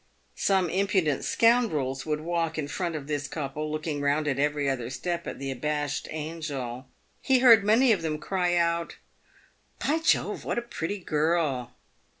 Some impudent scoundrels would walk in front of this couple, looking round at every other step at the abashed angel. He heard many of them cry out, " By Jove ! what a pretty girl